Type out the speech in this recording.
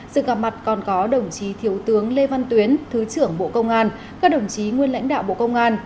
sự gặp mặt còn có đồng chí thiếu tướng lê văn tuyến thứ trưởng bộ công an các đồng chí nguyên lãnh đạo bộ công an